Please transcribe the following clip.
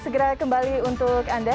segera kembali untuk anda